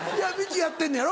やってんねやろ？